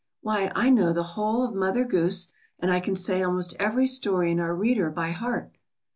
Why, I know the whole of Mother Goose, and I can say almost every story in our reader by heart."